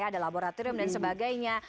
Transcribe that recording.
ada laboratorium dan sebagainya